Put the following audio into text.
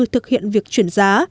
thực hiện việc chuyển giá